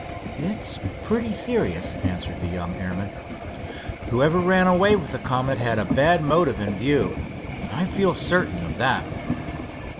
"It's pretty serious," answered the young airman. "Whoever ran away with the Comet had a bad motive in view—I feel certain of that."